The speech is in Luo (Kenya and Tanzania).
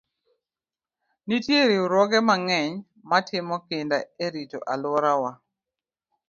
Nitie riwruoge mang'eny matimo kinda e rito alworawa.